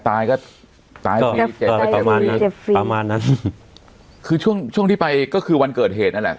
ถ้าตายก็ประมาณนั้นประมาณนั้นคือช่วงช่วงที่ไปก็คือวันเกิดเหตุนั่นแหละ